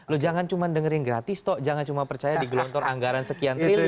lo jangan cuma dengerin gratis toh jangan cuma percaya digelontor anggaran sekian triliun